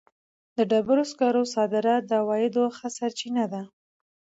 د ډبرو سکرو صادرات د عوایدو ښه سرچینه ده.